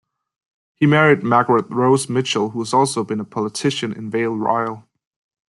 He married Margaret Rose Mitchell, who has also been a politician in Vale Royal.